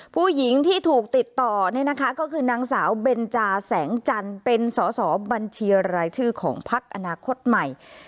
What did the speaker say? ผู้หญิงที่ถูกติดต่อเนี่ยนะคะก็คือนางสาวเบนจาแสงจันทร์เป็นสอสอบัญชีรายชื่อของพักอนาคตใหม่